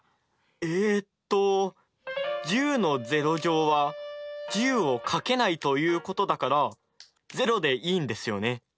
えっと１０は１０をかけないということだから０でいいんですよね？